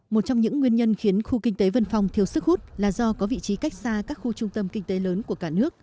một trong những nguyên nhân khiến khu kinh tế vân phong thiếu sức hút là do có vị trí cách xa các khu trung tâm kinh tế lớn của cả nước